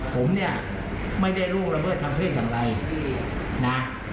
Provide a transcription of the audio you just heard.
ผมเนี่ยไม่ได้ล่วงละเมิดทางเพศอย่างไรนะ